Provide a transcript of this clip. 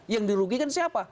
yang dirugikan siapa